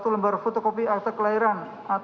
satu lembar fotokopi akta kelahiran